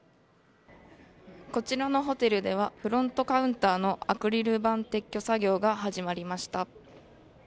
こちらのホテルではフロントカウンターのアクリル板撤去作業が始まりました。